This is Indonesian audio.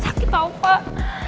sakit tau pak